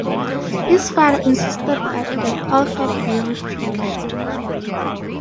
His father insisted that the offer be refused.